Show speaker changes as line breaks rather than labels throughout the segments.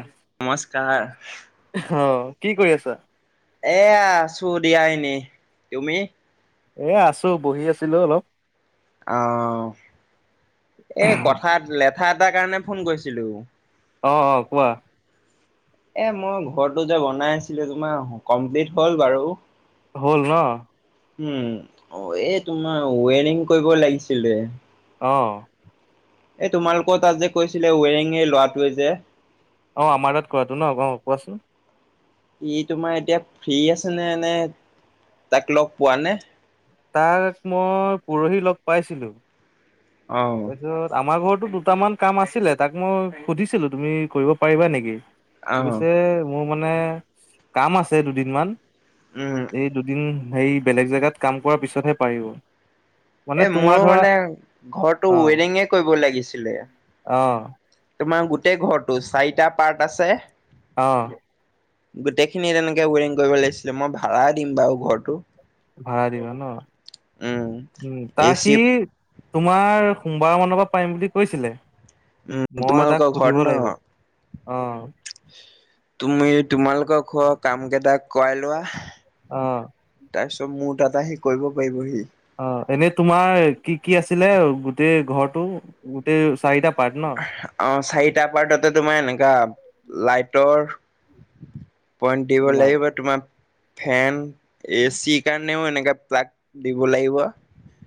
অহ
নমস্কাৰ।
অ', কি কৰি আছা?
এয়া আছো দিয়া এনে, তুমি?
এ আছো বহি আছিলো অলপ।
অ', এই কথা লেঠা এটাৰ কাৰণে ফোন কৰিছিলোঁ।
অ', অ', কোৱা?
এ মুৰ ঘৰটো যে বনাই আছিলোঁ তোমাৰ, কমপ্লিট হ'ল বাৰু।
হ'ল ন?
উম, এই তোমাৰ ৱেৰিং কৰিব লাগিছিলে।
অ'।
এই তোমালোকৰ তাত যে কৈছিলে ৱেৰিং এই লৰাটোৱে যে?
অ', আমাৰ তাত কোৱাটো ন? অ', কোৱাচোন?
ই তোমাৰ এতিয়া ফ্ৰী আছে নে-নে? তাক লগ পোৱা নে?
তাক মই পুৰহি লগ পাইছিলোঁ।
অ
তাৰপিছত আমাৰ ঘৰতো দুটামান কাম আছিলে তাক মই সুধিছিলোঁ, তুমি কৰিব পাৰিবা নেকি?
অ
সি কৈছে, মোৰ মানে কাম আছে দুদিন মান।
উম
এই দুদিন হেৰী বেলেগ জেগাত কাম কৰাৰ পিছতহে পাৰিব। মানে
এ
তোমাৰ
মোৰো
ধৰা
মানে ঘৰটো
অ
ৱেৰিংগে কৰিব লাগিছিলে।
অ
তোমাৰ গোটেই ঘৰটো চাৰিটা পাৰ্ট আছে।
অ'।
গোটেইখিনি তেনেকে ৱেৰিং কৰিব লাগিছিলে মই ভাড়া দিম বাৰু ঘৰটো।
ভাড়া দিবা ন?
উম।
উম, তাৰ সি
এচি
তোমাৰ সোমবাৰ মানৰ পৰা পাৰিম বুলি কৈছিলে।
উম
মই তাক
তোমালোকৰ
সুধিব
ঘৰত ন
লাগিব, অ'।
তুমি তোমালোকৰ ঘৰৰ কাম কেইটা কৰাই লোৱা
অ'।
তাৰপিছত মোৰ তাত আহি কৰিব পাৰিবহি।
অ', এনে তোমাৰ কি-কি আছিলে গোটেই ঘৰটো, গোটেই চাৰিটা পাৰ্ট ন?
অ', চাৰিটা পাৰ্ট, তাতে তোমাৰ এনেকা লাইটৰ পইন্ট দিব
লাই
লাগিব তোমাৰ ফেন এ চিৰ কাৰণেও এনেকা প্লাগ দিব লাগিব।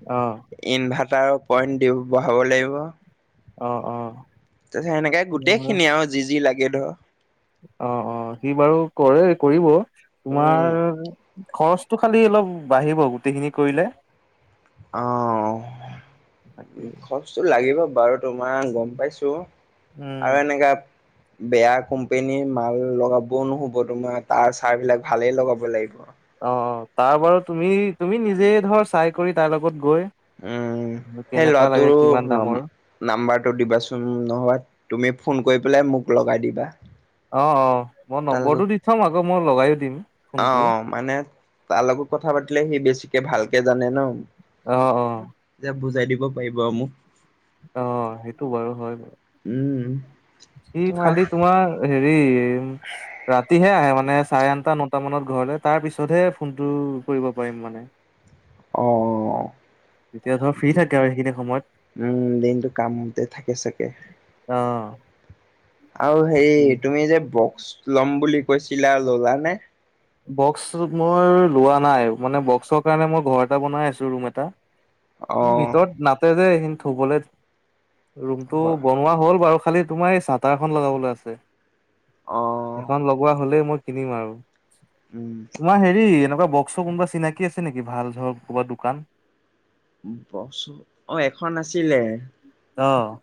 অ'।
ইনভাৰ্টাৰৰ পইণ্ট দি বঢ়াব লাগিব।
অ', অ'।
তাৰপিছ সেনেকে গোটেই খিনি আৰু যি-যি লাগে ধৰ।
অ', অ', সি বাৰু কৰে কৰিব,
উম
তোমাৰ খৰচটো খালি অলপ বাঢ়িব, গোটেইখিনি কৰিলে।
অ', খৰচটো লাগিব বাৰু তোমাৰ গম পাইছোঁ।
উম,
আৰু এনেকা বেয়া কোম্পেনীৰ মাল লগাবও নহ'ব তোমাৰ তাৰ চাৰ বিলাক ভালেই লগাব লাগিব।
অ', তাৰ বাৰু তুমি, তুমি নিজে ধৰ চাই কৰি তাৰ লগত গৈ।
উম, সেই ল'ৰা
কেনেকুৱা লাগে
টোৰ
কিমান দামৰ
নাম নাম্বাৰটো দিবাচোন নহবা তুমি ফোন কৰি পেলাই মোক লগাই দিবা।
অ', অ', মই
তাৰ
নম্বৰটো
লগত
দি থম আকৌ মই লগায়ো দিম। কৰোঁ
অ', মানে তাৰ লগত কথা পাতিলে সি বেছিকে ভালকে জানে ন।
অ', অ'।
যে বুজাই দিব পাৰিব আৰু মোক।
অ', সেইটো বাৰু হয় বাৰু।
উম।
সিত
তোমাৰ
খালি তোমাৰ হেৰি ৰাতিহে আহে মানে চাৰে আঠটা নটা মানত ঘৰলৈ তাৰ পিছতহে ফোনটো কৰিব পাৰিম মানে।
[unintelligible]
তেতিয়া ধৰ ফ্ৰী থাকে আৰু সেইখিনি সময়ত।
উম, দিনটো কামতে থাকে চাগে।
অ',
আৰু হেৰি তুমি যে বক্স লম বুলি কৈছিলা ল'লা নে?
বক্স মোৰ লোৱা নাই মানে বক্সৰ কাৰণে মই ঘৰ এটা বনাই আছো ৰুম এটা।
অ'।
ভিতৰত নাতে যে এইখিনি থবলে ৰুমটো
হয়
বনোৱা হ'ল বাৰু খ খালি তোমাৰ এই চাটাৰখন লগাবলে আছে
অ',
এইখন লগোৱা হ'লে মই কিনিম আৰু।
উম,
তোমাৰ হেৰি এনেকুৱা বস্কৰ কোনোবা চিনাকি আছে নেকি ভাল ধৰক ক'বা দোকান?
বক্সৰ অ, এখন আছিলে।
অহ',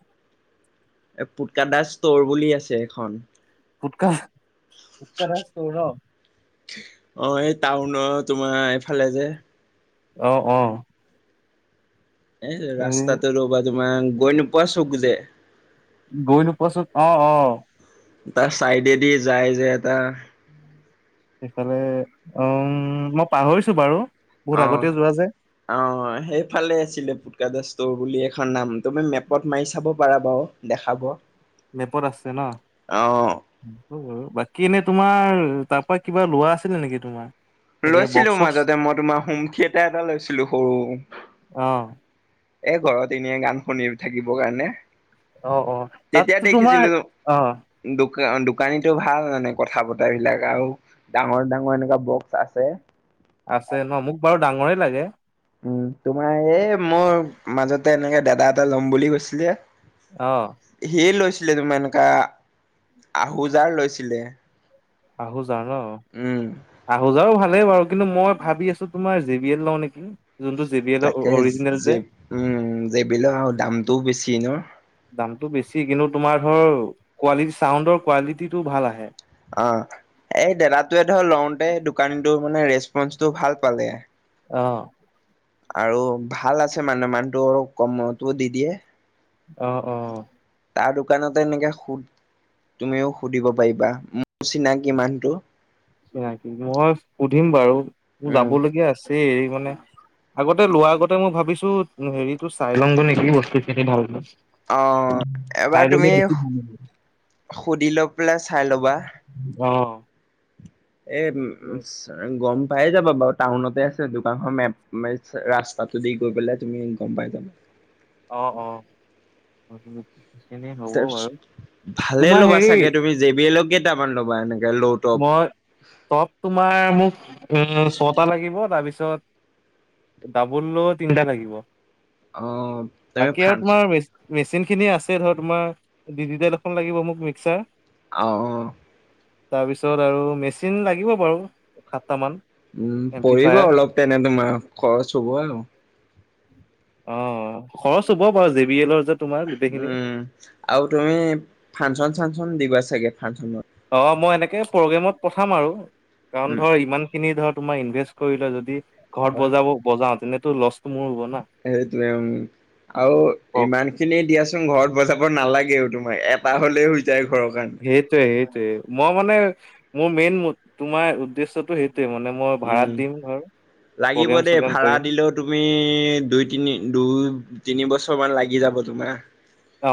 এ পুটকা দা ষ্টৰ বুলি আছে এখন।
পুটকাহ -পুটকা দা ষ্টৰ ন'?
অ, এই টাউনৰ তোমাৰ এইফালে যে
অ', অ',
এ
এই
ৰাস্তাটো ৰ'বা তোমাৰ গৈ নোপোৱা চুক যে।
গৈ নোপোৱা চুক অ', অ',
তাৰ চাইডেদি যায় যে এটা
সেইফালে উম, মই পাহৰিছো বাৰু বহুত
অ'।
আগতে যোৱা যে।
অ, হয় সেইফালে আছিলে পুটকা দা ষ্ট'ৰ বুলি এখন নাম তুমি মেপত মাৰি চাব পাৰা বাৰু। দেখাব।
মেপত আছে ন?
অ',
[unintelligible] বাকী এনে তোমাৰ তাৰ পা কিবা লোৱা আছিল নেকি তোমাৰ? এনেকে বক্স
লৈছিলোঁ
চক্স
মাজতে মই তোমাৰ হোম থিয়েটাৰ এটা লৈছিলোঁ সৰু।
অ',
এ ঘৰত এনে গান শুনিৰ থাকিব কাৰণে।
অ', অ',
তেতিয়া
তাততো
দেখিছিলো
তোমাৰ অহ,
দোকা- দোকানীতো ভাল মানে কথা বতৰা বিলাক আৰু ডাঙৰ- ডাঙৰ এনেকুৱা বক্স আছে।
আছে ন, মোক বাৰু ডাঙৰেই লাগে।
উম, তোমাৰ হে মোৰ মাজতে এনেকে দাদা এটা ল'ম বুলি কৈছিল যে
অহ',
হি লৈছিলে [unintelligible] এনকা আহোজাৰ লৈছিলে।
আহোজাৰ ন?
উম
আহোজাও ভালেই বাৰু কিন্তু মই ভাবি আছোঁ তোমাৰ জে বি এল লওঁ নেকি। যোনটো জে বি এলৰ
তাকে
অৰিজিনেল
জে
যে।
উম, জে বি লৰ আও দামটোও বেছি ন?
দামটো বেছি কিন্তু তোমাৰ ধৰ কোৱালিটি চাউণ্ডৰ কোৱালিটিটো ভাল আহে।
অ, এই দাদটোয়ে ধৰ লওঁতে দোকানীটো মানে ৰেচপঞ্চটো ভাল পালে।
অহ',
আৰু ভাল আছে মানে মানহটো অলপ কমতো দি দিয়ে।
অ', অ',
তাৰ দোকানতে এনেকে সুদ তুমিও সুধিব পাৰিবা মোৰচিনাকী মানটো।
চিনাকি মই সুধিম বাৰু মোৰ
উম
যাব লগীয়া আছে এই মানে আগতে লোৱা আগতে মই ভাবিছোঁ হেৰিটো চাই লংগৈ নেকি বস্তু খিনি ভালকে।
অহ, এবাৰ
চাই ললে
তুমি
বেছি ভাল
সুধি লৈ পেলাই চাই ল'বা।
অ',
এ উম উমচ। গম পাই যাবা বাৰু টাউনতে আছে দোকানখন মেপ [unintelligible] ৰাস্তাটো দি গৈ পেলাই তুমি গম পাই যাবা।
অ অ সেইখিনি হ'ব বাৰু,
ভালে
তোমাৰ
ল'বা
হেৰী
চাগে তুমি জে বি এল কেইটামান ল'বা? এনেকে লৌদ
মই টপ তোমাৰ মোক উম ছটা লাগিব। তাৰপিছত ডাবুলৰ তিনিটা লাগিব।
অ তুমি
বাকী আৰু
ফ্ৰান্স
তোমাৰ মেচি মেচিন খিনি আছে ধৰ তোমাৰ ডিজিটেল এখন লাগিব মোক মিক্সাৰ।
আ অহ।
তাৰপিছত আৰু মেচিন লাগিব বাৰু সাতটা মান।
উম, পৰিব অলপ তেনে তোমাৰ খৰচ হ'ব আৰু।
অঁ খৰচ হ'ব বাৰু জে বি এলৰ যে তোমাৰ গোটেইখিনি
উম আও তুমি ফানচন চানচন দিবা চাগে ফানচনত।
অঁ মই এনেকে প্ৰগ্ৰেমত পঠাম আৰু কাৰণ
উম
ধৰ ইমান খিনি ধৰ তোমাৰ ইনভেষ্ট কৰি লৈ যদি ঘৰত
হয়
বজাব বজাঁও তেনেটো লছটো মোৰ হ'ব ন।
সেইটোৱে উম। আও ইমান খিনি দিয়াচোন ঘৰত বজাব নালাগেও তোমাৰ এটা হ'লে হৈ যায় ঘৰৰ কাৰণে।
সেইটোৱে সেইটোৱে মই মানে মোৰ মেইন মো তোমাৰ উদ্দেশ্যটো সেইটোৱে মানে মই
উম
ভাড়াত দিম ধৰ
লাগিব
প্ৰগ্ৰেম
দেই
চগ্ৰেম
ভাড়া
কৰিম।
দিলেও তুমি দুই তিনি দুই তিনি বছৰ মান লাগি যাব তোমাৰ।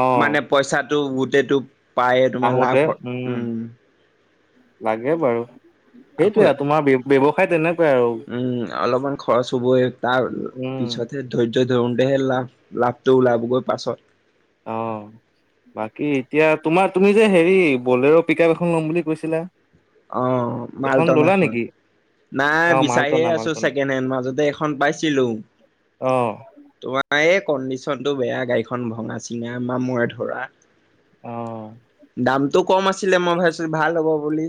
অ
মানে পইচাটো গোটেটো পায়ে তোমাৰ লাভ হ উম।
লাগে বাৰু।
আকৌ
সেইটোৱে আৰু তোমাৰ ব্য ব্যৱসায়ত তেনেকুৱাই আৰু
উম অলপমান খৰচ হ'বই তাৰ
উম
পিছতহে ধৈৰ্য ধৰোনতেহে লাভ লাভটো ওলাবগৈ পাছত।
অ
[unintelligible]
বাকী এতিয়া তোমাৰ তুমি যে হেৰী বলেৰো পিক আপ এখন ল'ম বুলি কৈছিলা।
অঁ মাল
এখন
টনা
ললা
খন।
নেকি?
নাই
অ
বিচাৰিয়ে
মালটনা
আছোঁ
মালটনা
ছেকেণ্ড হেণ্ড মাজতে এখন পাইছিলোং।
অঁহ।
এ কণ্ডিচনটো বেয়া গাড়ীখন ভঙা চিঙা মামৰে ধৰা।
অঁ।
দামটো কম আছিলে মই ভাবিছোঁ ভাল হ'ব বুলি।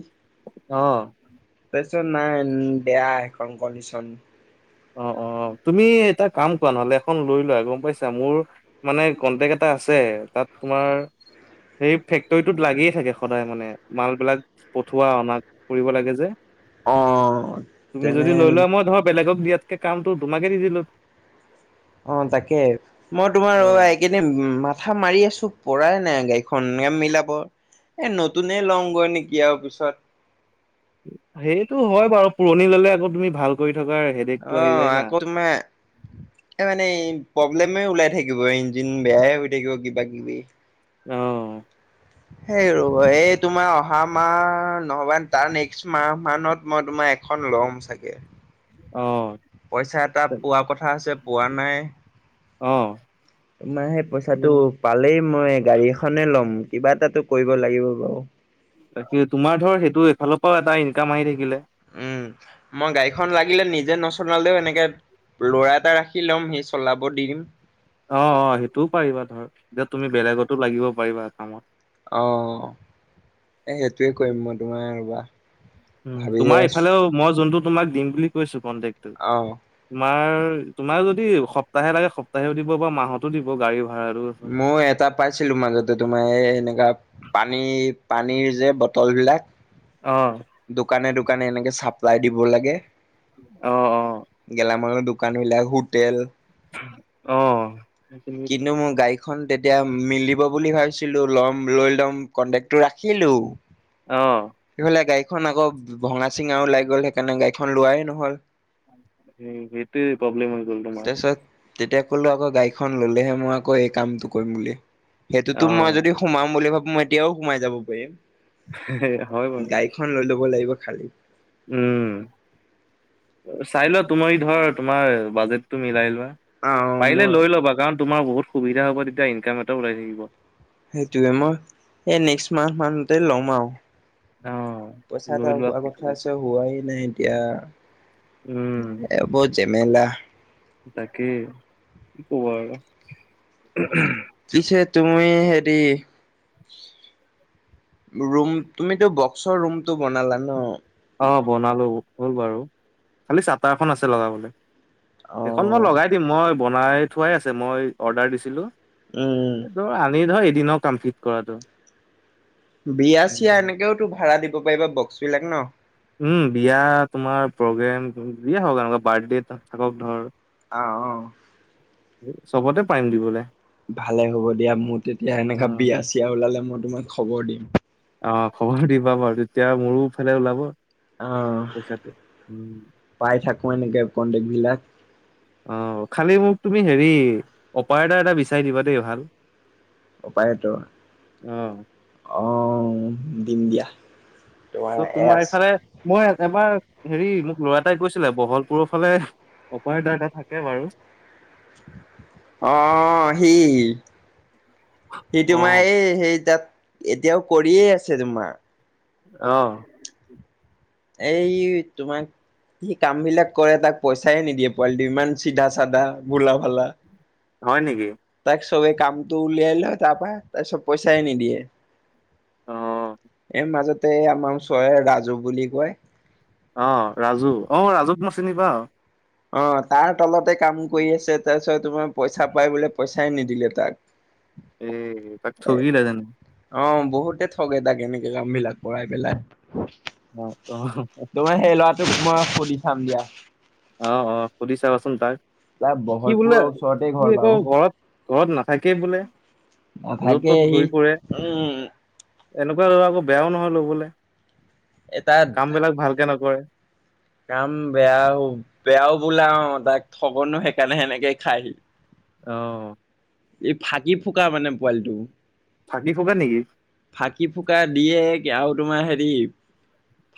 অঁ।
তাপিছত নাই উম বেয়া সেইখন কণ্ডিচন।
অঁ অঁ তুমি এটা কাম কৰা নহ'লে এখন লৈ লোৱা গম পাইছা মোৰ মানে কনটেক্ট এটা আছে। তাত তোমাৰ সেই ফেক্টৰীটোত লাগিয়ে থাকে সদায় মানে মালবিলাক পঠোৱা অনা কৰিব লাগে যে।
অ
তুমি
তেনে
যদি লৈ লোৱা মই ধৰা বেলেগক দিয়াতকে কামটো তোমাকে দি দিলোঁ।
অঁ তাকে। মই তোমাৰ অ আ এইকেইদি ন উম মাথা মাৰি আছোঁ পৰাই নাই গাড়ীখন নেম মিলাব। এই নতুনে লংগৈ নেকি আৱ পিছত।
সেইটো হয় বাৰু পুৰণি ল'লে আকৌ তুমি ভাল কৰি থকাৰ সে
অঁ আকৌ তোমা এ মানে এই প্ৰব্লেমে ওলাই থাকিব ইঞ্জিন বেয়ায়ে হৈ থাকিব কিবা কিবি।
অঁ।
সেই ৰব, এই তোমাৰ অহা মাহ নহ'বা তাৰ নেক্সট মাহ মানত মই তোমাৰ এখন লম চাগে!
অ'!
পইচা এটা পোৱা কথা আছে, পোৱা নাই?
অ'!
তোমাৰ সেই পইচাটো পালেই মই গাড়ী এখনে ল'ম কিবা এটাটো কৰিব লাগিব বাও।
তাকে, তোমাৰ ধৰ সেইটো এইফালৰ পাও এটা ইনকাম আহি থাকিলে।
উম মই গাড়ীখন লাগিলে নিজে নচলালেও এনেকে ল'ৰা এটা ৰাখি ল'ম সি চলাব দি দিম।
অ'! অ'! সেইটোও পাৰিবা ধৰ, এতিয়া তুমি, বেলেগতো লাগিব পাৰিবা কামত।
অ'! এই সেইটোৱে কৰিম। মই তোমাৰ ৰ'বা,
উম
ভাবিয়ে
তোমাৰ
আছোঁ!
ইফালেও মই যোনটো তোমাক দিম বুলি কৈছোঁ, কণ্টেক্ট।
অ'!
তোমাৰ, তোমাৰ যদি সপ্তাহে লাগে, সপ্তাহেও দিব পাৰোঁ। মাহত টো দিব গাড়ী ভাড়াটো। আছে।
মই এটা পাইছিলোঁ মাজতে। তোমাৰ এই, এনেকা পানী, পানীৰ যে, বটলবিলাক
অ'!
দোকানে - দোকানে এনেকে চাপ্লাই দিব লাগে।
অ অ
গেলামালৰ দো দোকানবিলাক, হোটেল।
অ'! সেইখিনি
কিন্তু, মোৰ গাড়ী গাড়ীখন তেতিয়া, মিলিব বুলি ভাবিছিলোঁ। ল'ম, লৈ ল'ম! কন্টেক্টো ৰাখিলোঁ।
অ'!
ইফালে গাড়ীখন আকৌ, ভঙা - চিঙা ওলাই গ'ল। সেইকাৰণে, গাড়ীখন লোৱাই নহ'ল।
সেই, সেইটোৱে প্ৰব্লেম হয় গ'ল তোমাৰ?
তাৰপিছত তেতিয়া, ক'লো আকৌ, গাড়ীখন ল'লেহে মই আকৌ, এই কামটো কৰিম বুলি।
অ
সেইটোতো, মই যদি সোমাম বুলি ভাবোঁ, মই এতিয়াও সোমাই যাব পাৰিম।
হয় বাৰু
গাড়ীখন লৈ ল'ব লাগিব খালি।
উম! চাই লোৱা, তুমি ধৰ, তোমাৰ বাজেটটো মিলাই লোৱা।
অ
পাৰিলে
মই
লৈ ল'বা? কাৰণ, তোমাৰ বহুত সুবিধা হ'ব। তেতিয়া, ইনকাম এটা ওলাই থাকিব।
সেইটোৱে! মই, এই নেক্সট মাহ মানতে লম আৰু। পইচা
লৈ
এটা
লোৱা
হোৱা কথা
সোনকালে
আছে, হোৱাই নাই এতিয়া!
উম!
বহুত জেমেলা!
তাকেই [unintelligible]
পিছে তুমি, হেৰি ৰুম, তুমিটো বক্সৰ ৰুমটো বনালা ন'?
অ'! বনালোঁ, হ'ল বাৰু। খালি চাটাৰ এখন আছে লগাবলে।
অ
সেইখন মই লগাই দিম, মই বনাই থোৱাই আছে। মই অৰ্ডাৰ দিছিলোঁ।
উম!
ত' আনি ধৰ, এদিনৰ কমপ্লিট কৰাটো।
বিয়া - চিয়া এনেকেও তো ভাড়া দিব পাৰিবা, বক্সবিলাক ন'?
উম! বিয়া, তোমাৰ প্ৰগ্ৰেম, বিয়া হওঁক, এনেকুৱা বাৰ্থডে এটাত থাকক ধৰ
অ'! অ'!
চবতে পাৰিম দিবলে।
ভালে হ'ব দিয়া! মোৰ তেতিয়া সেনেকা বিয়া
অ',
- চিয়া ওলালে, মই তোমাক খবৰ দিম।
অ'! খবৰটো দিবা বাৰু? তেতিয়া, মোৰো এফালে ওলাব।
অ'!
পইচাটো। উম,
পাই থাকোঁ, এনেকে কণ্টেক্টবিলাক।
অ'! খালি মোক, ‌ তুমি হেৰি, অপাৰেটৰ এটা বিচাৰ দিবা দেই, ভাল?
অপাৰেটৰ অ'! দিম, দিয়া!
ত' তোমাৰ এইফালে, মই এবাৰ হেৰি মোক ল'ৰা এটাই কৈছিলে বহলপুৰৰ ফালে অপাৰেটাৰ এটা থাকে বাৰু।
অ', সি সি তোমাৰ এই, সেই তাত, এতিয়াও কৰিয়ে আছে তোমাৰ।
অ'!
এই, তোমাক সি কামবিলাক কৰে তাক পইচাই নিদিয়ে পোৱালিটো ইমান চিধা-চাধা, ভোলা-ভালা।
হয় নিকি?
তাইক চবে কামটো উলিয়াই লয় তাৰপা, তাৰছত পইচাই নিদিয়ে।
অ
এই মাজতে আমাৰ ওচৰে ৰাজু বুলি কয়
অ' ৰাজু, অ' ৰাজুক মই চিনি পাও।
অ', তাৰ তলতে কাম কৰি আছে তাৰছত তোমাৰ পইচা পাই বোলে, পইচাই নিদিলে তাক।
এ, তাক
এ
ঠগিলে তেন
অ', বহুতে ঠগে তাক এনেকে কাম বিলাক কৰাই পেলাই।
অ অ
তোমাৰ সেই ল'ৰাটোক মই সুধি চাম দিয়া।
অ', অ', সুধি চাবাচোন তাক।
তাৰ
কি বোলে
বহলপুৰৰ ওচৰতে
সি
ঘৰ
আকৌ
বাৰু
ঘৰত ঘৰত নাথাকেই বোলে। য'ত
নাথাকে
ত'ত
সি,
ঘূৰি ফুৰে
উম।
এনেকুৱা লৰা আকৌ বেয়াও নহয় ল'বলে।
এ তাৰ,
কাম বিলাক ভালকে নকৰে
কাম বেয়াও। বেয়াও বোলা অ, তাক ঠগনো সেইকাৰণে সেনেকে খাই সি।
অ'।
ই ফাঁকি ফুকা মানে পোৱালিটো।
ফাঁকি ফুকা নিকি?
ফাঁকি ফুকা দিয়ে আৰু তোমাৰ হেৰি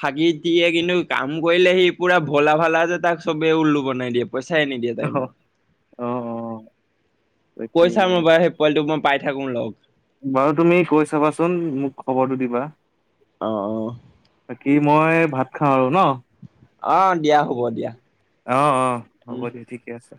ফাঁকি দিয়ে কিন্তু কাম কৰিলে সি পূৰা ভোলা-ভালা যে তাক চবেই ওলু বনাই দিয়ে। পইচাই নিদিয়ে। তাই
অহ
মোক
অহ, অ', অ'।
কয় চাম
তাকে
ৰবা, সেই পোৱালিটোক মই পাই থাকো লগ।
বাৰু তুমি কয় চাবাচোন, মোক খবৰটো দিবা।
অ', অ'।
কি মই ভাত খাওঁ আৰু ন?
অ দিয়া হ'ব দিয়া
অ', অ',
উম
হ'ব দিয়া ঠিকে আছে।